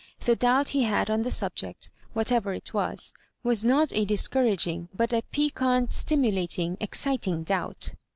The doubt he had on the subject, whatever it was, was not a discouraging, but a piquant, sti mulating, exciting doubt.